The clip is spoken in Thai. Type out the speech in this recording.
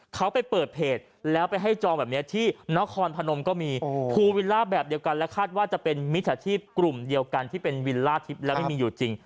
เขาไปเปิดเพจแล้วไปให้จองแบบนี้ที่นครพนมก็มีภูวิลล่าแบบเดียวกันและคาดว่าจะเป็นมิจฉาชีพกลุ่มเดียวกันที่เป็นวิลล่าทิพย์แล้วไม่มีอยู่จริง